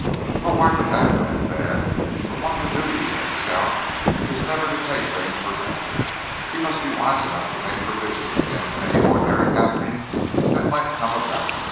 "Oh! hardly that," laughed Thad; "but one of the duties of a scout is never to just take things for granted. He must be wise enough to make provision against any ordinary happening that might come about.